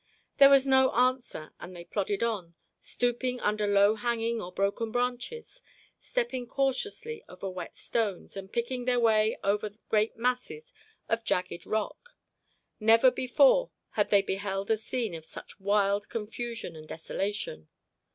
There was no answer and they plodded on, stooping under low hanging or broken branches, stepping cautiously over wet stones and picking their way over great masses of jagged rock. Never before had they beheld a scene of such wild confusion and desolation.